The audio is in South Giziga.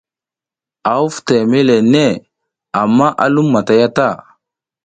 A huv teme le neʼe amma a lum matay a ta.